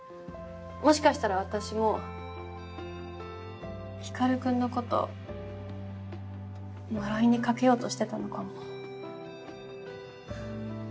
もしかしたら私も光君のこと呪いにかけようとしてたのかも。